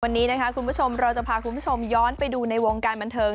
วันนี้นะคะคุณผู้ชมเราจะพาคุณผู้ชมย้อนไปดูในวงการบันเทิง